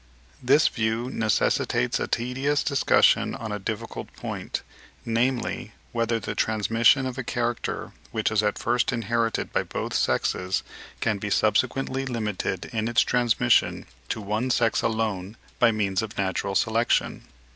This view necessitates a tedious discussion on a difficult point, namely, whether the transmission of a character, which is at first inherited by both sexes can be subsequently limited in its transmission to one sex alone by means of natural selection.